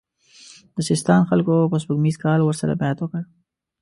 د سیستان خلکو په سپوږمیز کال ورسره بیعت وکړ.